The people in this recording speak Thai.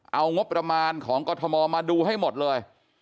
เอางบประมาณของกรทมมาดูให้หมดเลย